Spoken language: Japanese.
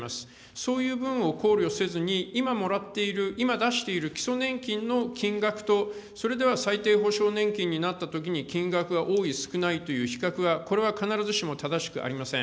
そういう部分を考慮せずに、今もらっている、今出している基礎年金の金額と、それでは最低保障年金になったときに金額が多い、少ないという比較が、これは必ずしも正しくありません。